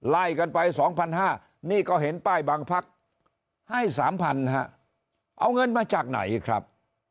ไล่กันไป๒๕๐๐นี่ก็เห็นป้ายบางพักให้๓๐๐๐ฮะเอาเงินมาจากไหนครับ